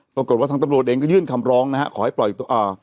ปรากฏว่าทางตำรวจเองก็ยื่นคำร้องนะฮะขอให้ปล่อยอ่า